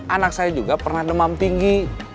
anak saya juga pernah demam tinggi